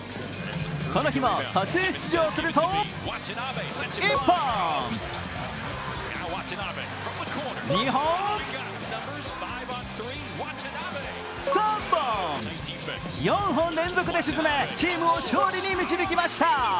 この日も途中出場すると、１本、２本、３本４本連続で沈めチームを勝利に導きました。